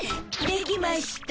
できましゅた。